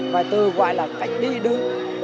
phải từ gọi là cách đi đứng